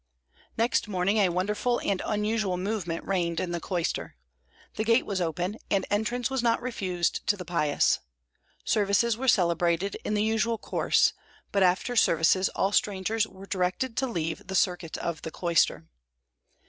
Next morning, a wonderful and unusual movement reigned in the cloister. The gate was open, and entrance was not refused to the pious. Services were celebrated in the usual course; but after services all strangers were directed to leave the circuit of the cloister.